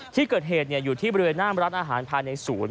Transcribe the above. ที่เกิดเหตุอยู่ที่บริเวณหน้ามร้านอาหารภายในศูนย์